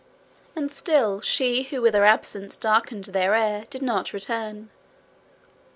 And still she who with her absence darkened their air did not return.